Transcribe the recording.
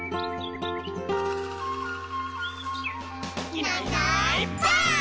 「いないいないばあっ！」